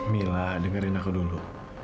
mila dengerin aku dulu